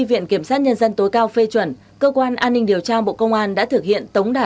viện kiểm sát nhân dân tối cao phê chuẩn cơ quan an ninh điều tra bộ công an đã thực hiện tống đạt